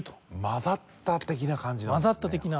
混ざった的な感じなんですね。